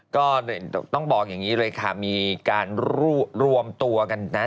ก็ต้องบอกอย่างนี้เลยค่ะมีการรวมตัวกันนะ